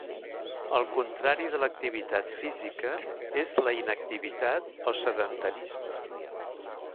El contrari de l'activitat física és la inactivitat o sedentarisme.